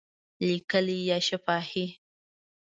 لیکلي یا شفاهی؟